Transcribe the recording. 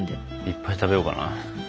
いっぱい食べようかな。